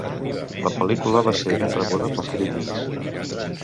La pel·lícula va ser ben rebuda pels crítics.